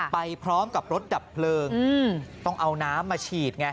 ไปพร้อมกับรถดับเพลิงต้องเอาน้ำมาฉีดไง